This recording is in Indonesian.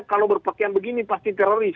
kalau berpakaian begini pasti teroris